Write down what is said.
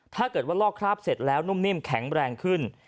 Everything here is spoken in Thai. ถ้าเกิดว่าลอกคราบเสร็จแล้วนุ่มนิ่มแข็งแรงขึ้น